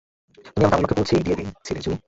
তুমি আমাকে আমার লক্ষ্যে পৌঁছেই দিয়ে ছিলে, জুনি।